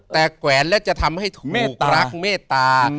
แต่แกวนและจะทำให้ถูกเมตรักเมตตา